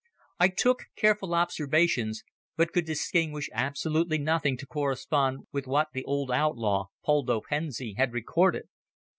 I took careful observations, but could distinguish absolutely nothing to correspond with what the old outlaw, Poldo Pensi, had recorded.